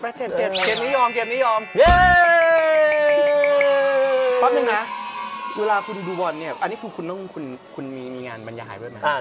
คราวนึงนะเวลาคุณดูบอลเนี่ยอันนี้คุณมีงานบรรยายเพื่อไหม